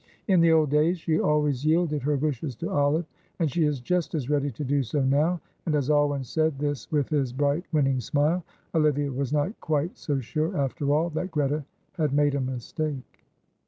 In the old days she always yielded her wishes to Olive, and she is just as ready to do so now," and, as Alwyn said this with his bright, winning smile, Olivia was not quite so sure, after all, that Greta had made a mistake.